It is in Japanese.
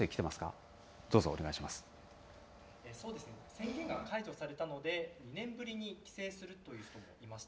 どうぞお願いし宣言が解除されたので、２年ぶりに帰省するという人もいましたね。